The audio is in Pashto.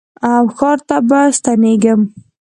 او ښار ته به ستنېږم